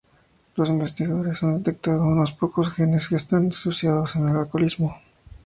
Los investigadores han detectado unos pocos genes que están asociados con el alcoholismo.